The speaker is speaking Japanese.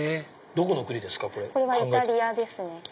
これはイタリアですね。